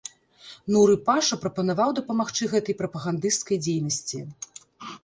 Нуры-паша прапанаваў дапамагчы гэтай прапагандысцкай дзейнасці.